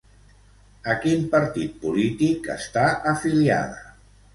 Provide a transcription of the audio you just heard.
A quin partit polític està afiliada?